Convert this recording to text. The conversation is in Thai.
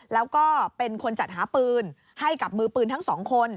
แล้วก็เป็นคนจัดหาปืนให้กับมือปืนทั้งสองคน